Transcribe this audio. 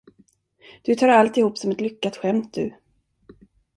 Du tar alltihop som ett lyckat skämt, du.